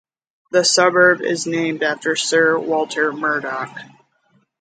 The suburb is named after Sir Walter Murdoch.